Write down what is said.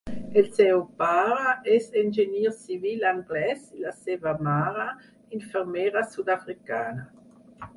El seu pare és enginyer civil anglès i la seva mare, infermera sud-africana.